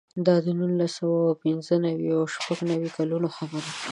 دا د نولس سوه پنځه نوې او شپږ نوې کلونو خبره ده.